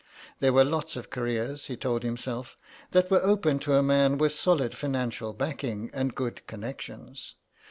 There were lots of careers, he told himself, that were open to a man with solid financial backing and good connections.